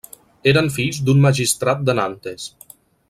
Eren fills d'un magistrat de Nantes.